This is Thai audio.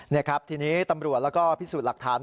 นี่ครับทีนี้ตำรวจแล้วก็พิสูจน์หลักฐาน